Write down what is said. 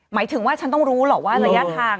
หมายถึงว่าฉันต้องรู้หรอกว่าระยะทาง